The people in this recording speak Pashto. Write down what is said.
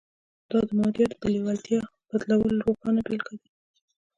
دا د مادیاتو د لېوالتیا بدلولو روښانه بېلګه ده